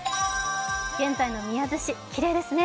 現在の宮津市、きれいですね。